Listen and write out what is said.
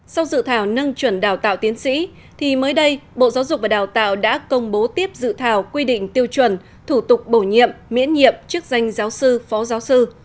sau dự thảo nâng chuẩn đào tạo tiến sĩ thì mới đây bộ giáo dục và đào tạo đã công bố tiếp dự thảo quy định tiêu chuẩn thủ tục bổ nhiệm miễn nhiệm chức danh giáo sư phó giáo sư